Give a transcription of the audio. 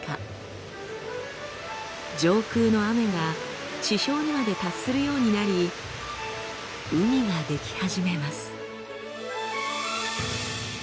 上空の雨が地表にまで達するようになり海が出来始めます。